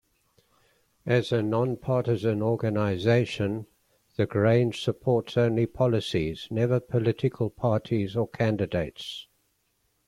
As a non-partisan organization, the Grange supports only policies, never political parties or candidates.